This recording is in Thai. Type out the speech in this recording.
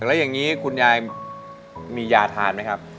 แล้วอย่างนี้คุณยายมียาทานไหมครับ